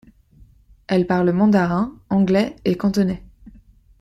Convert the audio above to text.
Elle parle mandarin, anglais et cantonais.